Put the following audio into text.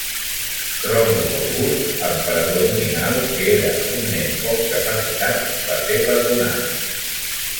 Ròmul August, emperador nominal, que era un nen poc capacitat, va ser perdonat.